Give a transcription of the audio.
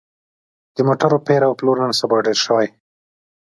د موټرو پېر او پلور نن سبا ډېر شوی دی